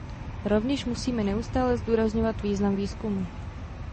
Rovněž musíme neustále zdůrazňovat význam výzkumu.